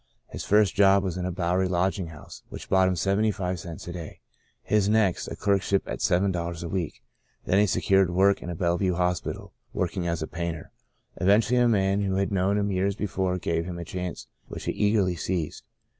His first job was in a Bowery lodging house, which brought him seventy five cents a day, his next a clerkship at seven dollars a week. Then he secured work in Bellevue Hospital — working as a painter. Eventually a man who had known him years before gave him a chance which he eagerly seized.